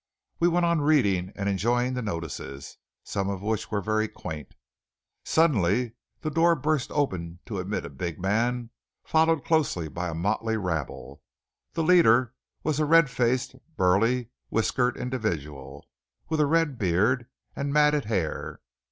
We went on reading and enjoying the notices, some of which were very quaint. Suddenly the door burst open to admit a big man followed closely by a motley rabble. The leader was a red faced, burly, whiskered individual, with a red beard and matted hair.